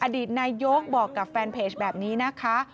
อดีตนายกบอกกับแฟนเพจแบบนี้นะคะ